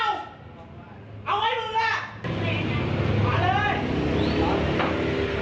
มา